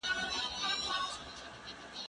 زه به سفر کړی وي!؟